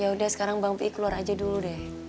yaudah sekarang bang pi keluar aja dulu deh